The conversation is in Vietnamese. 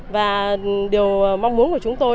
và điều mong muốn của chúng tôi